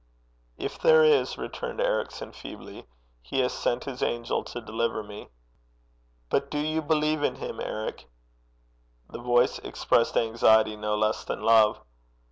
'If there is,' returned Ericson, feebly, 'he has sent his angel to deliver me.' 'But you do believe in him, Eric?' The voice expressed anxiety no less than love.